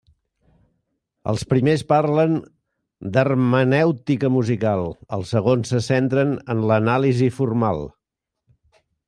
Els primers parlen d'hermenèutica musical; els segons se centren en l'anàlisi formal.